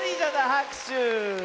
はくしゅ。